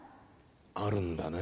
あるんだね。